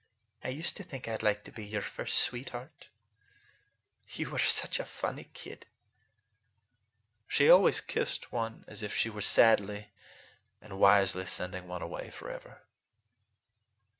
I used to think I'd like to be your first sweetheart. You were such a funny kid!" She always kissed one as if she were sadly and wisely sending one away forever.